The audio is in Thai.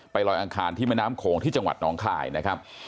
ลอยอังคารที่แม่น้ำโขงที่จังหวัดน้องคายนะครับ